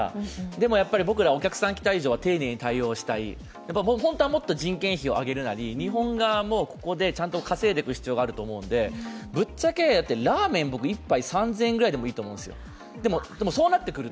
でもやっぱり僕らお客さんが来た以上は丁寧に対応したい本当はもっと人件費を上げるなり日本側もここで稼いでいく必要があるので、ぶっちゃけ、ラーメン一杯３０００円ぐらいでもいいと思うんですよ。